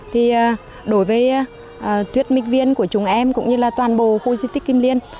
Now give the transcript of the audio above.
thì đối với thuyết minh viên của chúng em cũng như là toàn bộ khu di tích kim liên